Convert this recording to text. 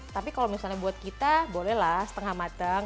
tapi kalau misalnya buat kita bolehlah setengah mateng